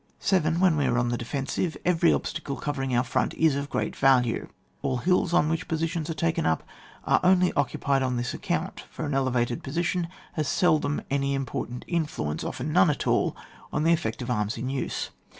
7. When we are on the defensive, every obstacle covering our front is of great value. All hills on which positions are taken up are only occupied on this account; for an elevated position has seldom any im portant influence, often none at all, on the effect of the arms in use.